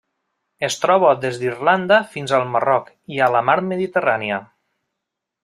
Es troba des d'Irlanda fins al Marroc i a la Mar Mediterrània.